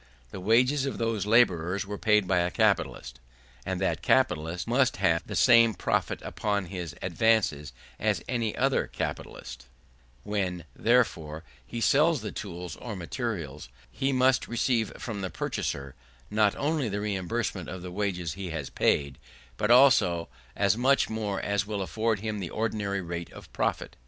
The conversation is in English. The wages of those labourers were paid by a capitalist, and that capitalist must have the same profit upon his advances as any other capitalist; when, therefore, he sells the tools or materials, he must receive from the purchaser not only the reimbursement of the wages he has paid, but also as much more as will afford him the ordinary rate of profit.